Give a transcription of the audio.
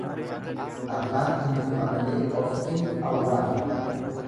Abbaan hin du'a malee of kin awwaalu.